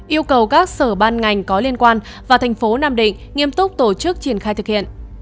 yêu cầu các sở ban ngành có liên quan và thành phố nam định nghiêm túc tổ chức triển khai thực hiện